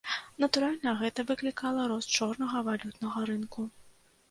Натуральна, гэта выклікала рост чорнага валютнага рынку.